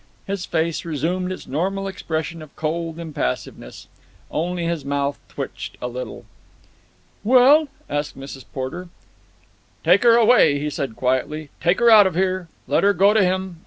His face resumed its normal expression of cold impassiveness. Only his mouth twitched a little. "Well?" asked Mrs. Porter. "Take her away," he said quietly. "Take her out of here. Let her go to him.